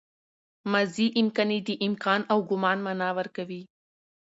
ماضي امکاني د امکان او ګومان مانا ورکوي.